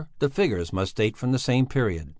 the figures must date from the same period.